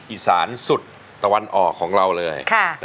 อีสานสุดตะวันออกของเราเลย